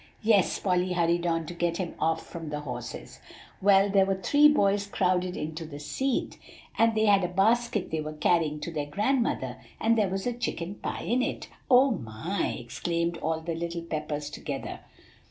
"Yes;" Polly hurried on to get him off from the horses; "well, there were three boys crowded into the seat; and they had a basket they were carrying to their grandmother, and there was a chicken pie in it." "Oh, my!" exclaimed all the little Peppers together.